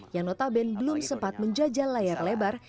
yang notabene belum sempat menjajal layar lebar